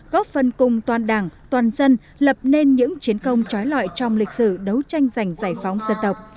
góp phần cùng toàn đảng toàn dân lập nên những chiến công trói lọi trong lịch sử đấu tranh giành giải phóng dân tộc